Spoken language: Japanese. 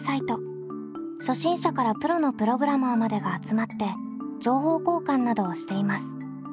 初心者からプロのプログラマーまでが集まって情報交換などをしています。